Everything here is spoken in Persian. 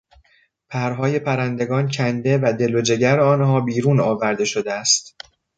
پرهای پرندگان کنده و دل و جگر آنها بیرون آورده شده است.